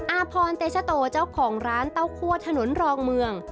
อาพรเตชโตเจ้าของร้านเต้าคั่วถนนรองเมือง